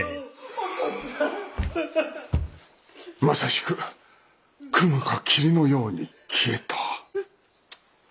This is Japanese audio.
まさしく雲か霧のように消えた。